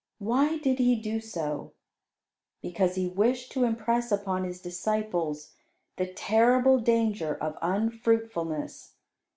Why did He do so? Because He wished to impress upon His disciples the terrible danger of unfruitfulness.